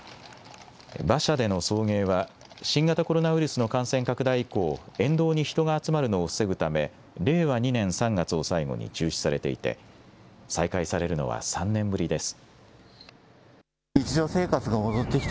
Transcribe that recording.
馬車での送迎は、新型コロナウイルスの感染拡大以降、沿道に人が集まるのを防ぐため、令和２年３月を最後に中止されていて、再開されるのは３年ぶりです。